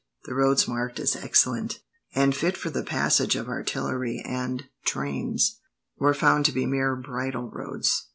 The roads marked as excellent, and fit for the passage of artillery and trains, were found to be mere bridle roads.